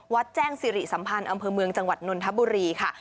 แจ้งสิริสัมพันธ์อำเภอเมืองจังหวัดนนทบุรีค่ะ